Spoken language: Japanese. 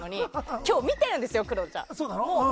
今日、見てるんですよ黒田ちゃん。